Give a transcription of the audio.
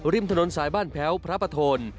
ริมถนนสายบ้านแพ้วพระประโทน